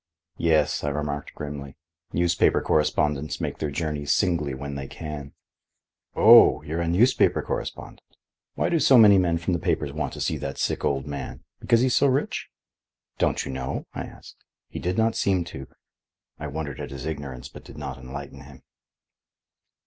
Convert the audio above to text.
"Yes," I remarked grimly. "Newspaper correspondents make their journeys singly when they can." "Oh! you are a newspaper correspondent! Why do so many men from the papers want to see that sick old man? Because he's so rich?" "Don't you know?" I asked. He did not seem to. I wondered at his ignorance but did not enlighten him.